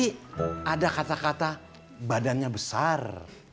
tapi ada kata kata badannya besar